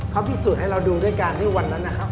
เขาพิสูจน์ให้เราดูด้วยการที่วันนั้นนะครับ